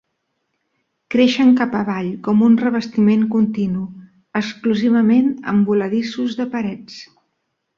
Creixen cap avall com un revestiment continu, exclusivament en voladissos de parets.